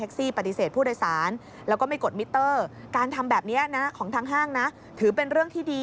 เท็จสึกผู้โดยสารแล้วก็ไม่กดนี่แบบนี้ได้นะของทางห้างน่ะถือ